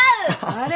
あれ？